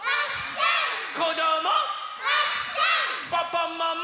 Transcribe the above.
パパママ！